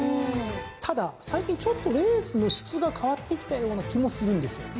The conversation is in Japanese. ただ最近ちょっとレースの質が変わってきたような気もするんですよ。